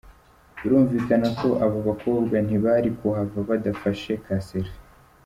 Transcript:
Birumvikana aba bakobwa ntibari kuhava badafashe ka 'Selfie'.